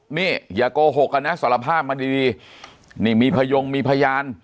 นี่อย่าโกหกกันนะสารภาพมาดีดีนี่มีพยงมีพยาน